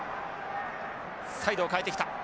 サイドを変えてきた。